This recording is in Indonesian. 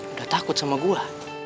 udah takut sama gue